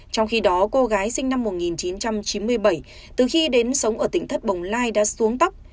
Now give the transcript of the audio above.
trong khi đó cô gái sinh năm một nghìn chín trăm chín mươi bảy từ khi đến sống ở tỉnh thất bồng lai đã xuống tóc